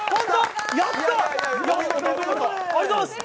やったー、ありがとうございます！